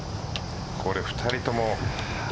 これ、２人とも。